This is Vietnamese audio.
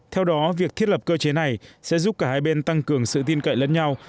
theo đó việc thiết lập cơ chế này sẽ giúp cả hai bên tăng cường sự tin cậy lẫn nhau